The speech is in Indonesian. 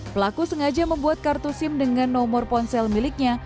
pelaku sengaja membuat kartu sim dengan nomor ponsel miliknya